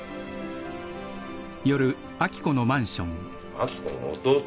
明子の弟？